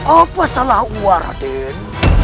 apa salah uar radin